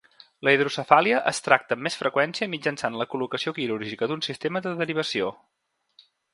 La hidrocefàlia es tracta amb més freqüència mitjançant la col·locació quirúrgica d'un sistema de derivació.